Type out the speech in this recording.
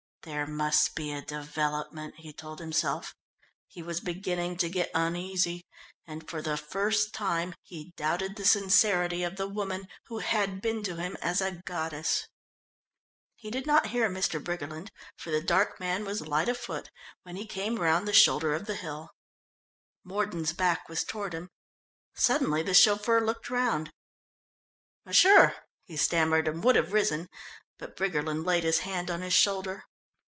There must be a development, he told himself. He was beginning to get uneasy, and for the first time he doubted the sincerity of the woman who had been to him as a goddess. He did not hear Mr. Briggerland, for the dark man was light of foot, when he came round the shoulder of the hill. Mordon's back was toward him. Suddenly the chauffeur looked round. "M'sieur," he stammered, and would have risen, but Briggerland laid his hand on his shoulder.